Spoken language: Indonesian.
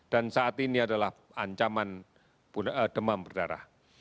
dan saat ini adalah ancaman demam berdarah